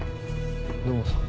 土門さん